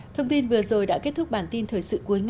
thông tin vừa rồi đã kết thúc bản tin thời sự